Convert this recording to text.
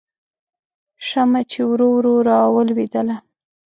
شمعه چې ورو ورو راویلېدله